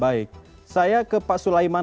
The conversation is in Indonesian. baik saya ke pak sulaiman